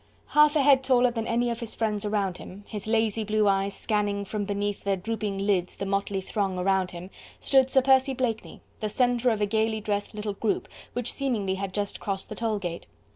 Half a head taller than any of his friends around him, his lazy blue eyes scanning from beneath their drooping lids the motley throng around him, stood Sir Percy Blakeney, the centre of a gaily dressed little group which seemingly had just crossed the toll gate.